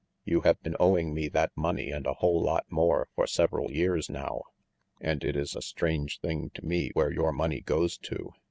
"You have been owing me that money and a whole lot more for several years now, and it is a strange thing to me where your money goes to.